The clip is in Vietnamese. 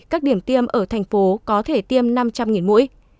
các điểm tiêm ở thành phố có thể tiêm năm trăm linh mũi